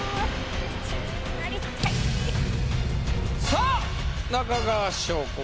さあ中川翔子か？